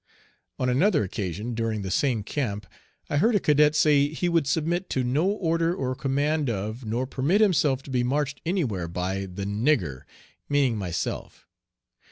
On another occasion during the same camp I heard a cadet say he would submit to no order or command of, nor permit himself to be marched anywhere by "the nigger," meaning myself.